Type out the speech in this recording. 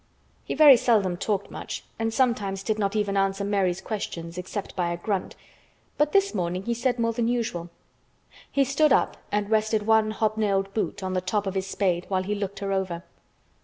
He very seldom talked much and sometimes did not even answer Mary's questions except by a grunt, but this morning he said more than usual. He stood up and rested one hobnailed boot on the top of his spade while he looked her over.